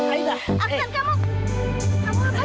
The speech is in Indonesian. aida tunggu aida